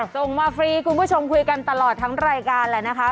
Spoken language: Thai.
ส่งมาฟรีคุณผู้ชมคุยกันตลอดทั้งรายการแล้วนะคะ